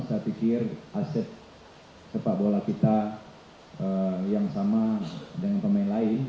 saya pikir aset sepak bola kita yang sama dengan pemain lain